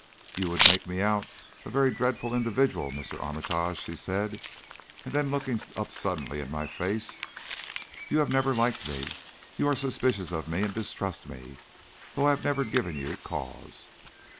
"You would make me out a very dreadful individual, Mr. Armitage," she said; and then looking up suddenly in my face "You have never liked me. You are suspicious of me and distrust me, though I have never given you cause."